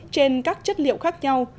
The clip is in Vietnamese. trên các chất liệu khác nhau